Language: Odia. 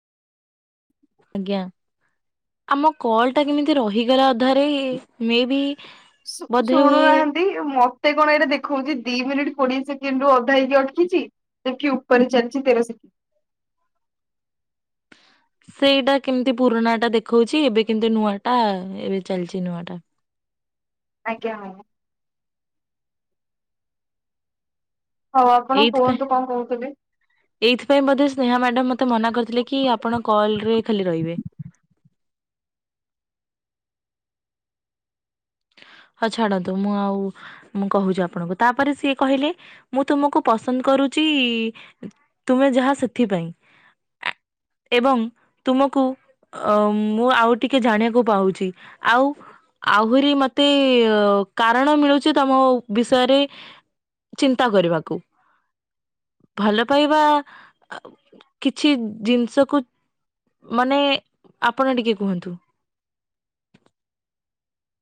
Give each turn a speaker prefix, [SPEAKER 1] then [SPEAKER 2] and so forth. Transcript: [SPEAKER 1] ଆଜ୍ଞା। ଆମ କଲ ଟା କେମିତି ରହିଗଲା ଅଧାରେ ମେ ବି
[SPEAKER 2] ଶୁ
[SPEAKER 1] ବୋଧେ ହୁଏ
[SPEAKER 2] ଶୁଣୁ ନାହା ନ୍ତି ମତେ କଣ ଏଇଟା ଦେଖଉଛି ଦି ମିନିଟ୍ କୋଡିଏ ସେକେଣ୍ଡ ରୁ ଅଧା ହେଇକି ଅଟକିଚି। ଏଠି ଉପରେ ଚାଲିଛି ତେର ସେକେ
[SPEAKER 1] ସେଇଟା କେମିତି ପୁରୁଣା ଟା ଦେଖଉଚି ଏବେ କିନ୍ତୁ ନୂଆ ଟା ଏବେ ଚାଲଚି ନୂଆ ଟା।
[SPEAKER 2] ଆଜ୍ଞା [unintelligible] ହଉ ଆପଣ
[SPEAKER 1] ଏଇଥିପାଇଁ
[SPEAKER 2] କୁହନ୍ତୁ କଁ କହୁଥିଲେ?
[SPEAKER 1] ଏଇଥିପାଇଁ ବୋଧେ ସ୍ନେହା ମ୍ୟାଡାମ ମତେ ମନା କରିଥିଲେ କି ଆପଣ କଲ ରେ ଖାଲି ରହିବେ। ହ ଛାଡନ୍ତୁ ମୁଁ ଆଉ ମୁଁ କହୁଚି ଆପଣଙ୍କୁ ତାପରେ ସିଏ କହିଲେ ମୁଁ ତୁମକୁ ପସନ୍ଦ କରୁଚି ତୁମେ ଯାହା ସେଥିପାଇଁ। ଆ ଏବଂ ତୁମକୁ ଅ ମୁଁ ଆଉ ଟିକେ ଜାଣିବାକୁ ପାଉଚି ଆଉ ଆହୁରି ମତ ତେ କାରଣ ମିଳୁଚି ତମ ବିଷୟରେ ଚିନ୍ତା କରିବାକୁ, ଭଲ ପାଇବା କିଛି ଜିନିଷକୁ ମାନେ ଆପଣ ଟିକେ କୁହନ୍ତୁ।